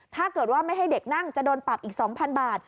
ถ้าเกิดว่าไม่ให้เด็กนั่งจะโดนปรับอีก๒๐๐บาท